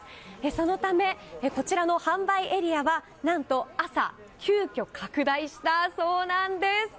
そのため、販売エリアは何と朝急きょ拡大したそうなんです。